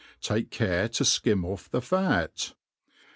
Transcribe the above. Take care to ikim oiFthe fat.